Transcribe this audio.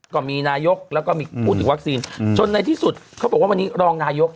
ก็มีนายกแล้วก็มีพูดถึงวัคซีนจนในที่สุดเขาบอกว่าวันนี้รองนายก